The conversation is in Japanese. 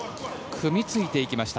組みついていきました。